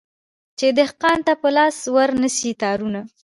چي دهقان ته په لاس ورنه سي تارونه